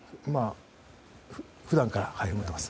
普段から思っています。